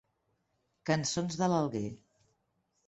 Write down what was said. Cançons de l'Alguer.